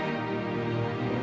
saya tidak bisa menemukan